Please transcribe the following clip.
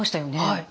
はい。